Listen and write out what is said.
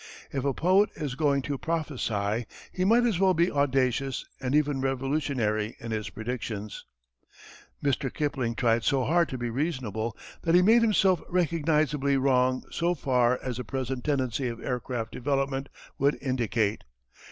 If a poet is going to prophecy he might as well be audacious and even revolutionary in his predictions. Mr. Kipling tried so hard to be reasonable that he made himself recognizably wrong so far as the present tendency of aircraft development would indicate.